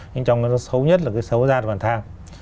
nhưng trong cái xấu nhất là cái xấu gian và tham